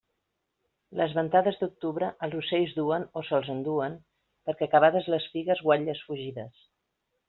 Les ventades d'octubre els ocells duen, o se'ls enduen, perquè acabades les figues, guatlles fugides.